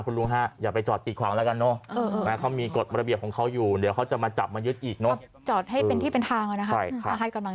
จอดให้เป็นที่เป็นทางก่อนนะครับให้กำลังใจแล้วกัน